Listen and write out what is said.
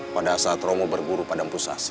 pada saat romo berguru pada empusasi